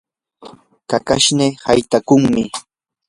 kakashnii haytakuqmi.